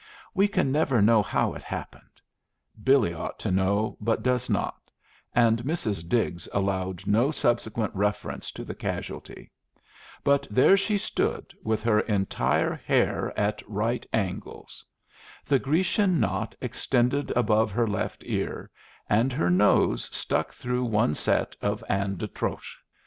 We can never know how it happened. Billy ought to know, but does not, and Mrs. Diggs allowed no subsequent reference to the casualty. But there she stood with her entire hair at right angles. The Grecian knot extended above her left ear, and her nose stuck through one set of Anne d'Autriche.